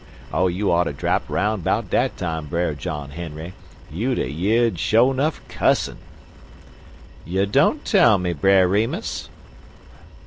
Oh, you oughter drapt roun' 'bout dat time, Brer John Henry. You'd a year'd sho' nuff cussin'!" "You don't tell me, Brer Remus!"